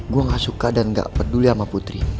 gue gak suka dan gak peduli sama putri